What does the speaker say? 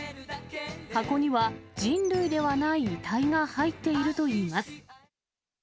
箱には人類ではない遺体が入っているといいます。